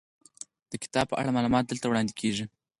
د کتاب په اړه معلومات دلته وړاندې کیږي.